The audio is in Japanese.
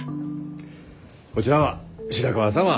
こちらは白川様。